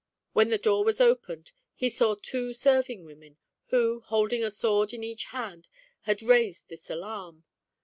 When the door was opened, he saw two serving women, who, holding a sword in each hand, had raised this alarm.